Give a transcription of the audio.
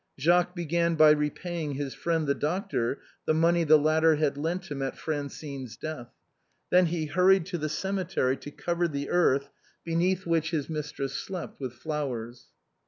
Jacques began by repaying his friend the doctor the money the latter had lent him at Francine's death, then he hur ried to the cemetery to cover the earth beneath which his mistress slept, with flowers.